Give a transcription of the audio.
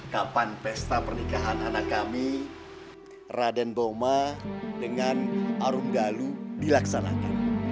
kapan pesta pernikahan anak kami raden boma dengan arum dalu dilaksanakan